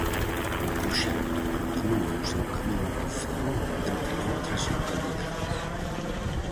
O proxecto continúa o seu camiño por Ferrol entre outras localidades.